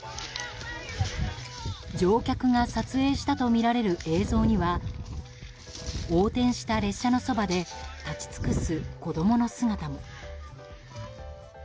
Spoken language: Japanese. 乗客が撮影したとみられる映像には横転した列車のそばで立ち尽くす子供の姿も。